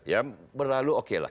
yang berlalu oke lah